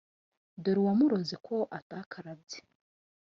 Dore uwamuroze ko atakarabye